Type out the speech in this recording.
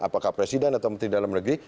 apakah presiden atau menteri dalam negeri